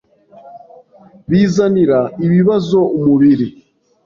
bizanira ibibazo umubiri.